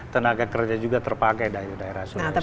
tenaga kerja juga terpakai dari daerah sulawesi tengah